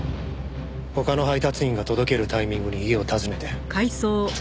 他の配達員が届けるタイミングに家を訪ねて。